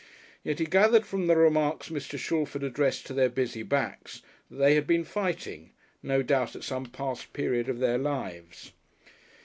Yet he gathered from the remarks Mr. Shalford addressed to their busy backs that they had been fighting no doubt at some past period of their lives.